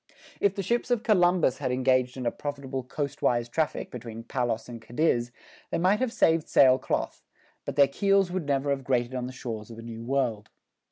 If the ships of Columbus had engaged in a profitable coastwise traffic between Palos and Cadiz they might have saved sail cloth, but their keels would never have grated on the shores of a New World.